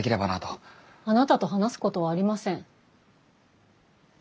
あなたと話すことはありません。